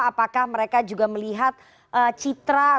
apakah mereka juga melihat citra